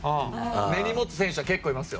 根に持つ選手は結構いますよ。